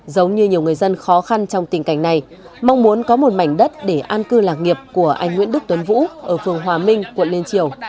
giống như nhiều người dân khó khăn trong tình cảnh này mong muốn có một mảnh đất để an cư lạc nghiệp của anh nguyễn đức tuấn vũ ở phường hòa minh quận liên triều